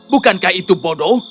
bukankah itu bodoh